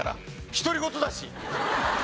独り言だし。